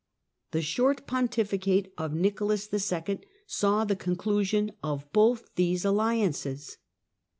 The short pontificate of Nicholas II. saw the conclusion of both these alliances.